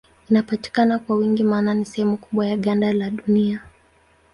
Inapatikana kwa wingi maana ni sehemu kubwa ya ganda la Dunia.